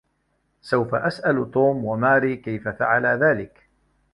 سوف اسأل توم و ماري كيف فعلا ذلك؟